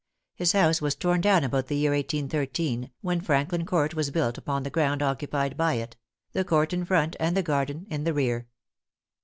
His house was torn down about the year 1813, when Franklin Court was built upon the ground occupied by it the court in front and the garden in the rear.